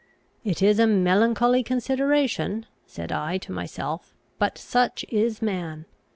"It is a melancholy consideration," said I to myself; "but such is man!